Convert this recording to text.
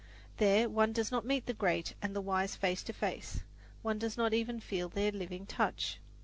There one does not meet the great and the wise face to face; one does not even feel their living touch.